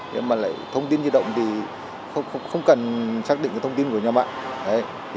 nhưng mà lại thông tin di động thì không cần xác định thông tin của nhà mạng